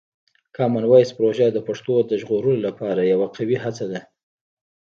کامن وایس پروژه د پښتو د ژغورلو لپاره یوه قوي هڅه ده.